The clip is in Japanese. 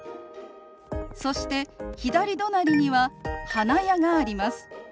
そして左隣には花屋があります。